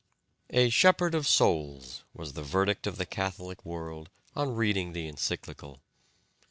"A 'shepherd of souls' was the verdict of the Catholic world on reading the encyclical.